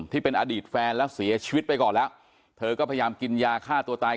ที่เป็นอดีตแฟนแล้วเสียชีวิตไปก่อนแล้วเธอก็พยายามกินยาฆ่าตัวตาย